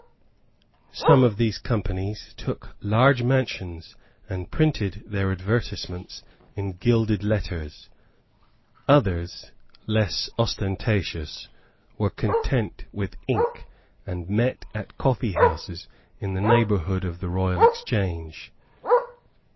Some of these companies took large mansions and printed their advertisements in gilded letters. Others, less ostentatious, were content with ink, and met at coffeehouses in the neighbourhood of the Royal Exchange.